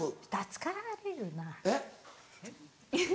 「疲れるな」？